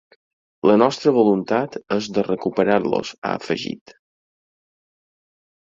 La nostra voluntat és de recuperar-los, ha afegit.